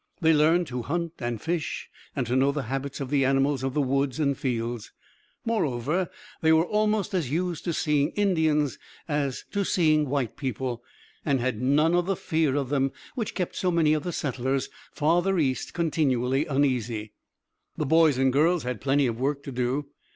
They learned to hunt and fish, and to know the habits of the animals of the woods and fields. Moreover they were almost as used to seeing Indians as to seeing white people, and had none of the fear of them which kept so many of the settlers farther east continually uneasy. The boys and girls had plenty of work to do.